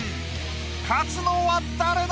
勝つのは誰だ？